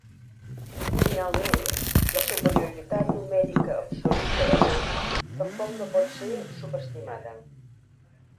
Finalment, la superioritat numèrica absoluta de l'Eix tampoc no pot ser subestimada.